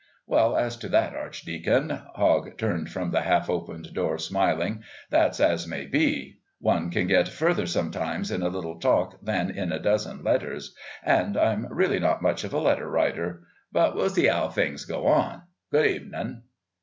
"Well, as to that, Archdeacon," Hogg turned from the half opened door, smiling, "that's as may be. One can get further sometimes in a little talk than in a dozen letters. And I'm really not much of a letter writer. But we'll see 'ow things go on. Good evenin'."